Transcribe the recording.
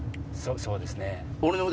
そうですね。